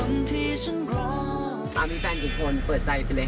มีแฟนกี่คนเปิดใจไปเลย